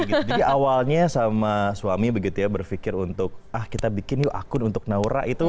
jadi awalnya sama suami begitu ya berpikir untuk ah kita bikin yuk akun untuk naura itu